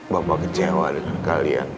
bapak kecewa dengan kalian